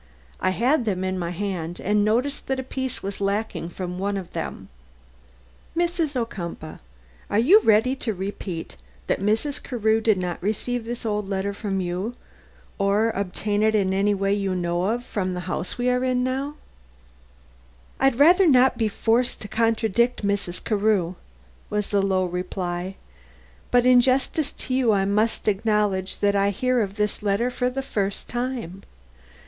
I had them in my hand and noticed that a piece was lacking from one of them. Mrs. Ocumpaugh, are you ready to repeat that Mrs. Carew did not receive this old letter from you or obtain it in any way you know of from the house we are now in?" "I had rather not be forced to contradict Mrs. Carew," was the low reply; "but in justice to you I must acknowledge that I hear of this letter for the first time.